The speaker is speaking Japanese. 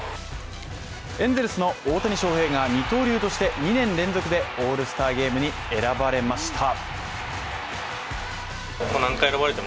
エンゼルスの大谷翔平が二刀流として２年連続でオールスターゲームに選ばれました。